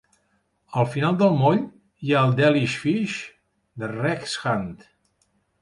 Al final del moll hi ha el Delish Fish de Rex Hunt.